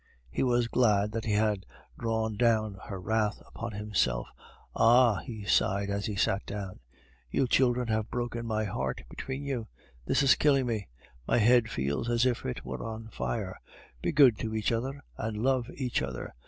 He was glad that he had drawn down her wrath upon himself. "Ah!" he sighed, as he sat down, "you children have broken my heart between you. This is killing me. My head feels as if it were on fire. Be good to each other and love each other!